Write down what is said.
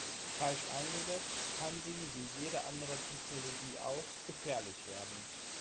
Falsch eingesetzt, kann sie, wie jede andere Technologie auch, gefährlich werden.